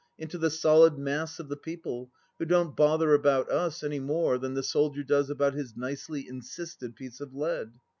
— into the solid mass of the people, who don't bother about us any more than the soldier does about his nicely encysted piece of lead.